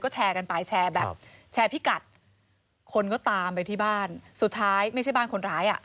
แชร์กันไปแชร์แบบแชร์พิกัดคนก็ตามไปที่บ้านสุดท้ายไม่ใช่บ้านคนร้ายอ่ะ